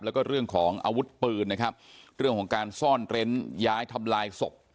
แล้วก็เรื่องของอาวุธปืนนะครับเรื่องของการซ่อนเร้นย้ายทำลายศพ